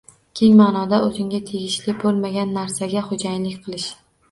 Keng maʼnoda – o‘zingga tegishli bo‘lmagan narsaga xo‘jayinlik qilish: